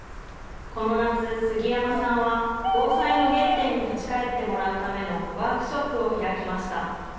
この夏、杉山さんは防災の原点に立ち返ってもらうためのワークショップを開きました。